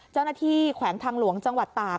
เจ้าหน้าที่แขวงทางหลวงจังหวัดตาก